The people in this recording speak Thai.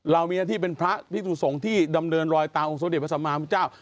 เรามีหน้าที่เป็นพระพิธุสงฆ์ที่ดำเนินรอยตามองค์โสดิประสำหรับพระพุทธเจ้า